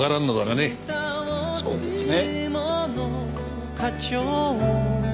そうですね。